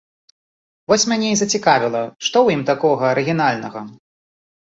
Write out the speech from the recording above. Вось мяне і зацікавіла, што ў ім такога арыгінальнага?